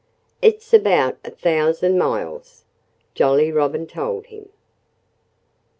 "It's about a thousand miles," Jolly Robin told him.